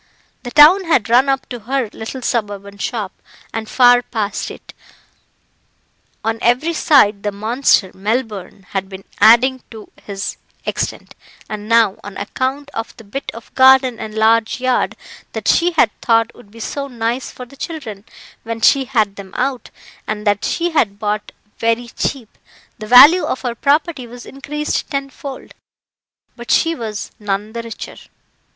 The town had run up to her little suburban shop, and far past it; on every side the monster, Melbourne, had been adding to his extent, and now, on account of the bit of garden and large yard, that she had thought would be so nice for the children, when she had them out, and that she had bought very cheap, the value of her property was increased tenfold but she was none the richer.